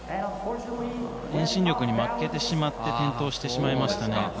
遠心力に負けてしまって転倒してしまいましたね。